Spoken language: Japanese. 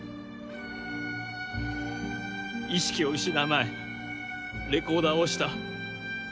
意識を失う前レコーダーを押した。